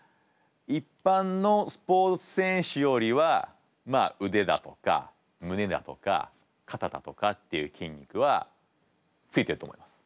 一般のスポーツ選手よりは腕だとか胸だとか肩だとかっていう筋肉はついてると思います。